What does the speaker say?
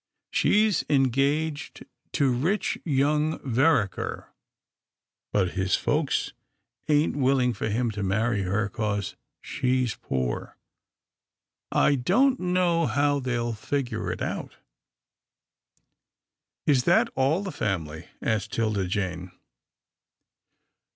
She's engaged to rich young Verriker, but his folks ain't willing for him to marry her, 'cause she's poor. I don't know how'll they'll figure it out." " Is that all the family? " asked 'Tilda Jane.